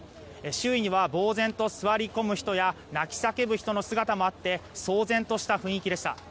周囲にはぼうぜんと座り込む人や泣き叫ぶ人の姿もあって騒然とした雰囲気でした。